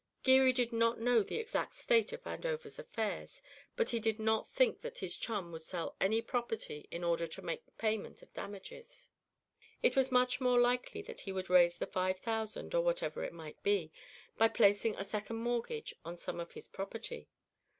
Geary did not know the exact state of Vandover's affairs, but he did not think that his chum would sell any property in order to make the payment of damages. It was much more likely that he would raise the five thousand, or whatever it might be, by placing a second mortgage on some of his property.